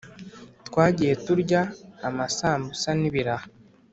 Twagiye turya amasambusa nibiraha